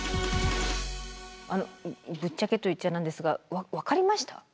あのぶっちゃけと言っちゃなんですが分かりました？